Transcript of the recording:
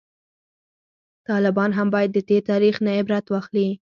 طالبان هم باید د تیر تاریخ نه عبرت واخلي